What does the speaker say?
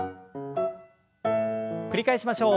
繰り返しましょう。